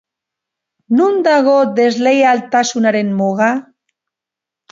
Non dago desleialtasunaren muga?